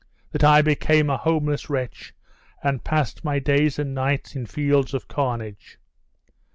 that I became a homeless wretch, and passed my days and nights in fields of carnage?